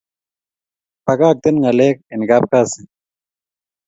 Pakaten Ngalek en kapkasi